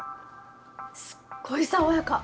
すっごい爽やか！